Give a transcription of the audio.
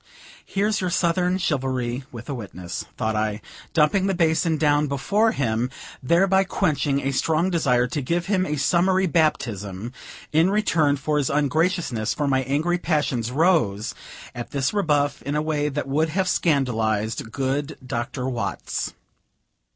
"Here's your Southern chivalry, with a witness," thought I, dumping the basin down before him, thereby quenching a strong desire to give him a summary baptism, in return for his ungraciousness; for my angry passions rose, at this rebuff, in a way that would have scandalized good Dr. Watts.